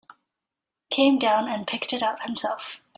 Came down and picked it out himself.